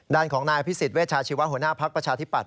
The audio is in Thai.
ด้านของนายพิสิทธเวชาชีวะหัวหน้าภักดิ์ประชาธิปัต